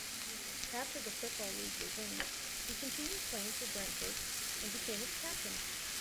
After the Football League resumed, he continued playing for Brentford, and became its captain.